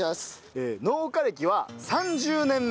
農家歴は３０年目。